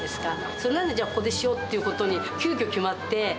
そんなんで、じゃあここでしようっていうことに急きょ決まって。